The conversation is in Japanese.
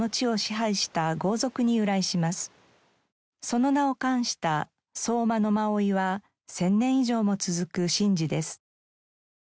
その名を冠した相馬野馬追は１０００年以上も続く神事です。